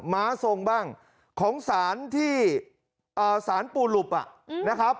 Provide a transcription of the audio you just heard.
หมาทรงบ้างของศาลที่ศาลปูรุบอ่ะนะครับ